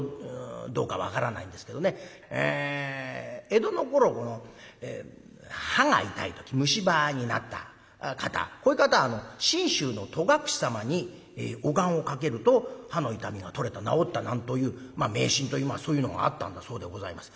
江戸の頃歯が痛い時虫歯になった方こういう方は信州の戸隠様にお願をかけると歯の痛みが取れた治ったなんというまあ迷信というそういうのがあったんだそうでございます。